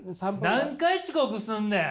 何回遅刻すんねん！